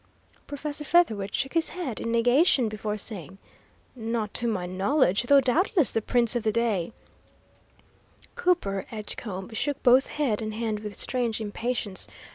Professor Featherwit shook his head in negation before saying: "Not to my knowledge, though doubtless the prints of the day " Cooper Edgecombe shook both head and hand with strange impatience.